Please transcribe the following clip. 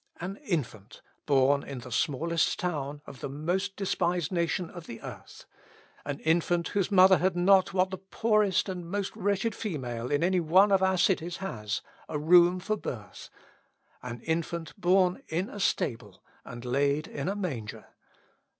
An infant born in the smallest town of the most despised nation of the earth an infant whose mother had not what the poorest and most wretched female in any one of our cities has, a room for birth an infant born in a stable and laid in a manger!...